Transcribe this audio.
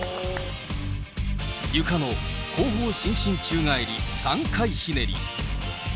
ゆかの後方伸身宙返り３回ひねり。